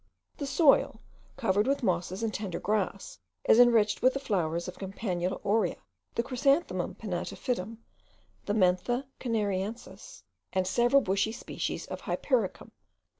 The soil, covered with mosses and tender grass, is enriched with the flowers of the Campanula aurea, the Chrysanthemum pinnatifidum, the Mentha canariensis, and several bushy species of Hypericum.